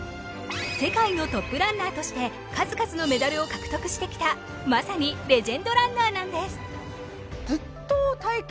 世界のトップランナーとして数々のメダルを獲得してきたまさにレジェンドランナーなんです